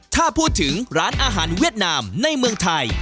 ถ้าพูดถึงร้านอาหารเวียดนามในเมืองไทย